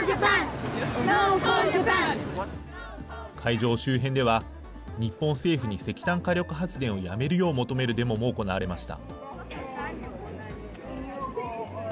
会場周辺では、日本政府に石炭火力発電をやめるよう求めるデモも行われました。